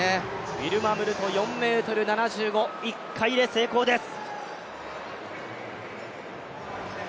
ウィルマ・ムルト、４ｍ７５、１回で成功です。